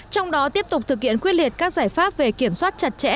trong đó tiếp tục thực hiện quyết liệt các giải pháp về kiểm soát chặt chẽ